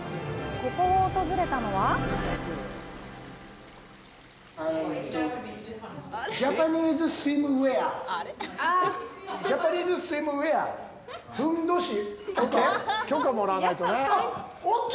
ここを訪れたのはあっ、ＯＫ！？